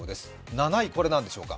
７位、これ何でしょうか？